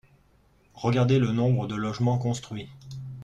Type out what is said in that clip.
Regardez le nombre de logements construits